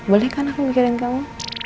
boleh kan aku mikirin kamu